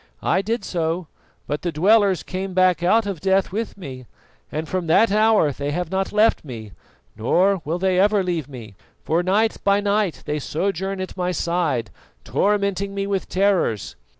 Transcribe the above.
I did so, but the dwellers came back out of Death with me, and from that hour they have not left me, nor will they ever leave me; for night by night they sojourn at my side, tormenting me with terrors.